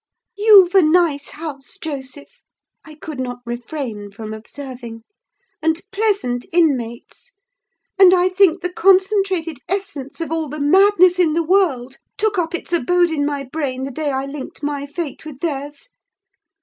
"You've a nice house, Joseph," I could not refrain from observing, "and pleasant inmates; and I think the concentrated essence of all the madness in the world took up its abode in my brain the day I linked my fate with theirs!